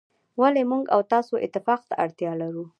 ولي موږ او تاسو اتفاق ته اړتیا لرو.